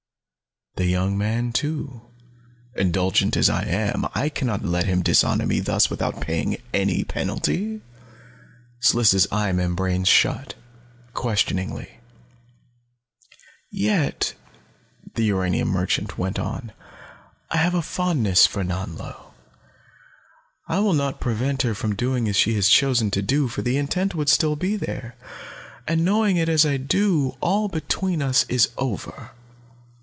The young man, too indulgent as I am, I can not let him dishonor me thus without paying any penalty." Sliss' eye membranes shut, questioningly. "Yet," the uranium merchant went on, "I have a fondness for Nanlo. I will not prevent her from doing as she has chosen to do, for the intent would still be there, and knowing it as I do, all between us is over.